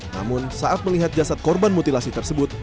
namun saat melihat jasad korban mutilasi tersebut